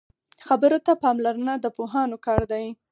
خبرو ته پاملرنه د پوهانو کار دی